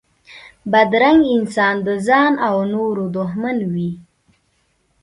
بدرنګه انسان د ځان و نورو دښمن وي